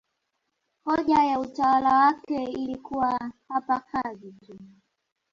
Hoja ya utawala wake ilikuwa hapa kazi tu